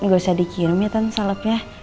gak usah dikirim ya tante salepnya